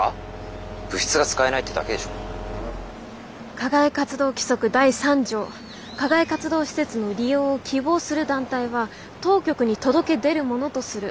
「課外活動規則第３条課外活動施設の利用を希望する団体は当局に届け出るものとする」。